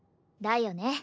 だよね。